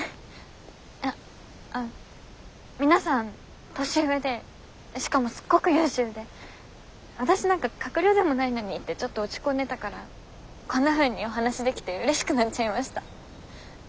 いや皆さん年上でしかもすっごく優秀で私なんか閣僚でもないのにってちょっと落ち込んでたからこんなふうにお話しできてうれしくなっちゃいました。